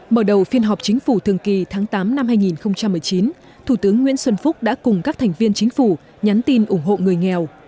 mở đầu phiên họp chính phủ thường kỳ tháng tám năm hai nghìn một mươi chín thủ tướng nguyễn xuân phúc đã cùng các thành viên chính phủ nhắn tin ủng hộ người nghèo